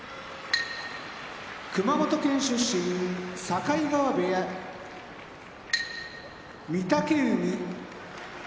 熊本県出身境川部屋御嶽海